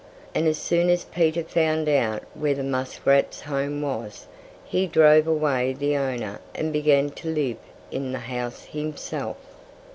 And as soon as Peter found out where the muskrat's home was, he drove away the owner and began to live in the house himself.